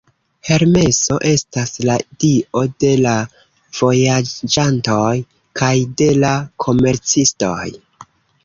Hermeso estas la dio de la vojaĝantoj kaj de la komercistoj.